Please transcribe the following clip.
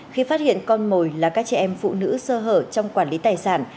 khi phát hiện con mồi là các chị em phụ nữ sơ hở trong quản lý tài sản